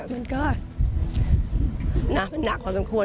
มันก็หนักพอสมควร